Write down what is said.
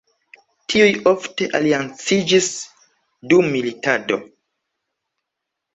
Tiuj ofte alianciĝis dum militado.